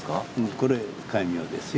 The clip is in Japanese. これ戒名ですよ。